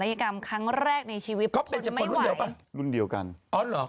ยกรรมครั้งแรกในชีวิตก็คงจะไม่รุ่นเดียวกันรุ่นเดียวกันอ๋อเหรอ